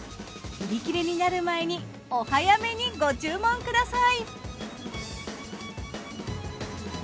売り切れになる前にお早めにご注文ください。